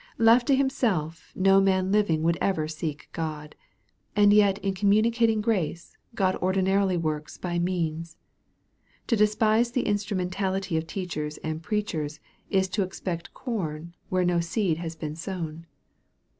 Left to himself, no man living would ever seek God. And yet in communicating grace, God ordinarily works by means. To despise the instrumentality of teachers and preachers, is to expect corn where no seed has been sown.